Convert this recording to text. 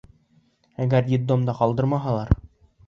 Әгәр детдомда ҡалдырмаһалар?